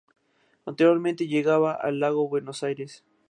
Anteriormente llegaba al Lago Buenos Aires.